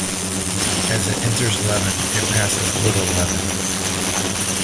As it enters Leven it passes Little Leven.